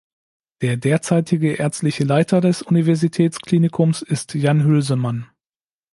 Der derzeitige Ärztliche Leiter des Universitätsklinikums ist Jan Hülsemann.